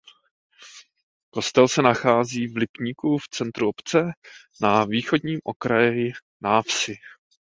Kostel se nachází v Lipníku v centru obce na východním okraji návsi.